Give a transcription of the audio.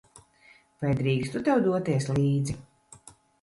Vai drīkstu tev doties līdzi?